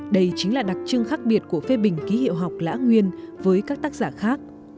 đây chính là đặc trưng khác biệt của phê bình ký hiệu học lã nguyên với các tác giả khác